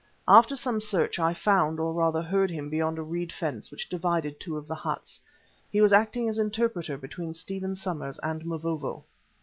After some search I found, or rather heard him beyond a reed fence which divided two of the huts. He was acting as interpreter between Stephen Somers and Mavovo.